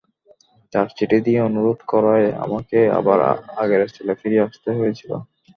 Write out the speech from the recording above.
তাঁরা চিঠি দিয়ে অনুরোধ করায় আমাকে আবার আগের স্টাইলে ফিরে আসতে হয়েছিল।